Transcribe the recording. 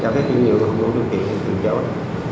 cho phép chuyển nhượng không đủ điều kiện thì tự chọn